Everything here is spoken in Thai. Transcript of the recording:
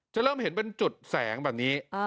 จะเริ่มเห็นเป็นจุดแสงแบบนี้